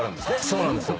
そうなんですよ。